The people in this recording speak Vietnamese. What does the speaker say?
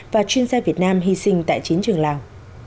và chuyên gia việt nam hy sinh tại chiến trường lào